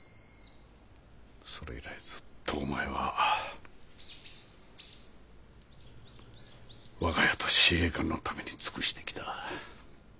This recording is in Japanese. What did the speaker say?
それ以来ずっとお前は我が家と試衛館のために尽くしてきた。